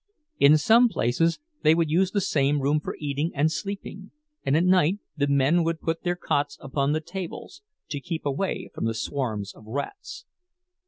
In some places they would use the same room for eating and sleeping, and at night the men would put their cots upon the tables, to keep away from the swarms of rats.